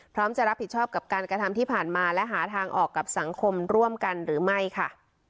พร้อมจะรับผิดชอบกับการกระทำที่ผ่านมาและหาทางออกกับสังคมร่วมกันหรือไม่ค่ะ